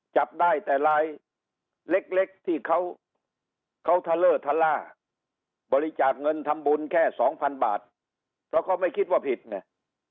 จับได้แต่ลายเล็กที่เขาทะเลอร์ทะล่าบริจาคเงินทำบุญแค่สองพันบาทเพราะเขาไม่คิดว่าผิดไง